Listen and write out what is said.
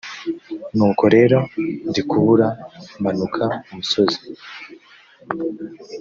nuko rero ndikubura, manuka umusozi,